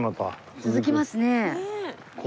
続きますね。